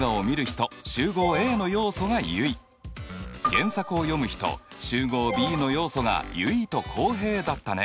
原作を読む人集合Ｂの要素が結衣と浩平だったね。